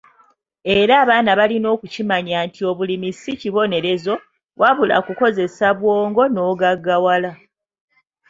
Era abaana balina okukimanya nti obulimi si kibonerezo, wabula kukozesa bwongo n'ogaggawala.